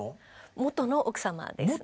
元の奥様ですね。